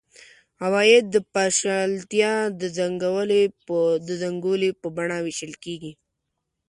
عواید د پاشلتیا د زنګولې په بڼه وېشل کېږي.